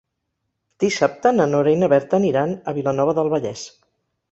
Dissabte na Nora i na Berta aniran a Vilanova del Vallès.